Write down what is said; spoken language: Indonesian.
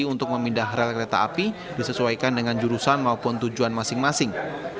untuk memindah rel kereta api disesuaikan dengan jurusan maupun tujuan masing masing